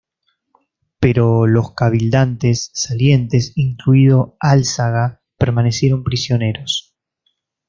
Pero los cabildantes salientes, incluido Álzaga, permanecieron prisioneros.